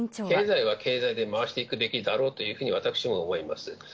経済は経済で回していくべきだろうというふうに私も思います。